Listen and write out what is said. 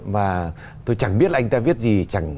mà tôi chẳng biết là anh ta viết gì